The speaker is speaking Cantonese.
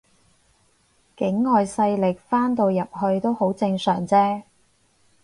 境外勢力翻到入去都好正常啫